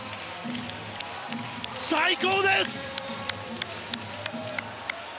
最高です！